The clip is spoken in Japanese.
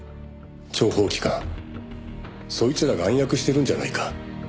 諜報機関」「そいつらが暗躍してるんじゃないか」